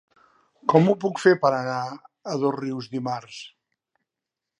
Com ho puc fer per anar a Dosrius dimarts?